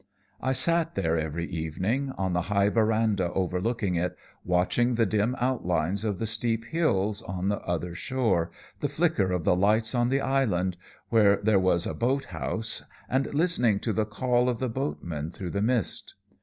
"I sat there every evening, on the high veranda overlooking it, watching the dim outlines of the steep hills on the other shore, the flicker of the lights on the island, where there was a boat house, and listening to the call of the boatmen through the mist.